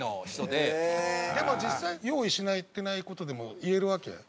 でも実際用意してない事でも言えるわけ？